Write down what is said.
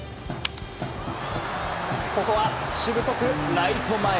ここはしぶとくライト前。